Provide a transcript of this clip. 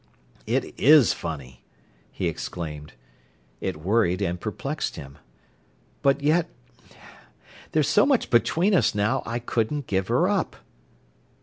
"It is funny!" he exclaimed. It worried and perplexed him. "But yet—there's so much between us now I couldn't give her up."